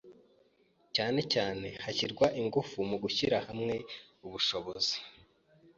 cyane cyane hashyirwa ingufu mu gushyira hamwe ubushobozi